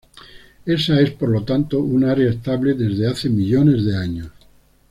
Esa es, por lo tanto, un área estable desde hace millones de años.